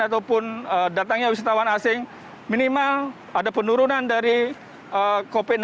ataupun datangnya wisatawan asing minimal ada penurunan dari covid sembilan belas